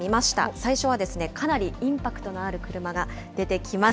最初は、かなりインパクトのある車が出てきます。